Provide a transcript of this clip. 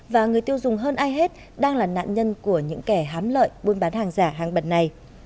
và người tiêu dùng hơn ai hết đang là nạn nhân của những kẻ hám lợi buôn bán hàng giả hàng bận này